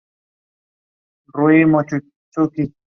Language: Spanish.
Numismática galega.